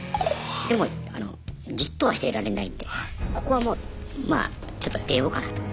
でもあのじっとはしていられないんでここはもうまあちょっと出ようかなと。